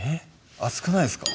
熱くないですか？